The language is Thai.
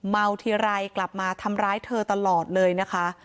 เมาทีไรกลับมาทำร้ายเธอตลอดเลยนะคะ